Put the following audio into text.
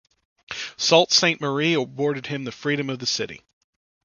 Sault Sainte Marie awarded him the Freedom of the City.